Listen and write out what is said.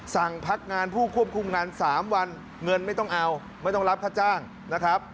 สั่งพักงานผู้ควบคุมงาน๓วันเงินไม่ต้องเอาไม่ต้องรับค่าจ้างนะครับ